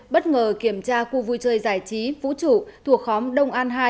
bất ngờ kiểm tra khu vui chơi giải trí vũ trụ thuộc khóm đông an hai